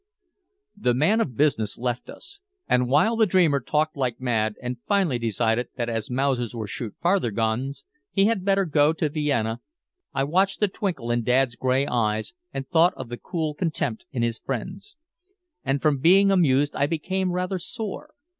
The man of business left us. And while the dreamer talked like mad and finally decided that as Mausers were "shoot farther guns" he had better go to Vienna, I watched the twinkle in Dad's gray eyes and thought of the cool contempt in his friend's. And from being amused I became rather sore.